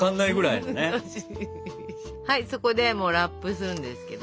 はいそこでラップするんですけど。